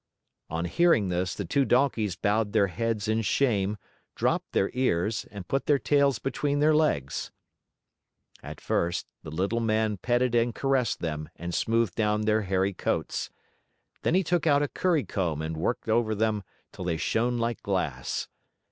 On hearing this, the two Donkeys bowed their heads in shame, dropped their ears, and put their tails between their legs. At first, the Little Man petted and caressed them and smoothed down their hairy coats. Then he took out a currycomb and worked over them till they shone like glass.